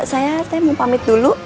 saya mau pamit dulu